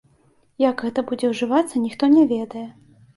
Як гэта будзе ўжывацца, ніхто не ведае.